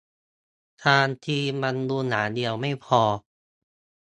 ทาครีมบำรุงอย่างเดียวไม่พอ